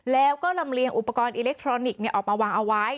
แล้วก็ลำเลียงอุปกรณ์อิเล็กทรอนิกส์ออกมาวางเอาไว้